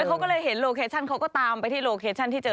เขาก็เลยเห็นโลเคชั่นเขาก็ตามไปที่โลเคชั่นที่เจอ